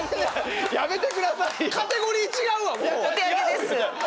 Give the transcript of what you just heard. やめてくださいよ！